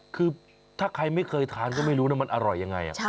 คือถ้าใครไม่เคยทานก็ไม่รู้นะมันอร่อยยังไง